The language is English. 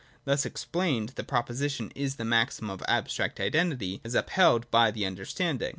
Thus explained, the proposition is the maxim of abstract identity as up held by the understanding.